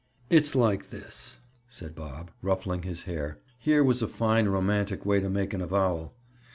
"It's like this!" said Bob, ruffling his hair. Here was a fine romantic way to make an avowal.